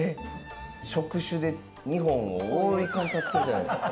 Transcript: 触手で日本を覆いかぶさってるじゃないですか。